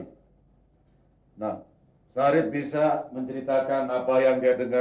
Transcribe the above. sewaktu waktu kamu bisa berhadapan dengan massa yang tidak terkendali